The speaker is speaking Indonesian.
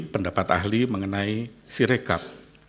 pendapat ahli mengenai sirekap